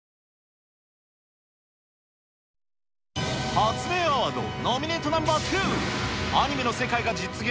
発明アワード、ノミネートナンバー２、アニメの世界が実現？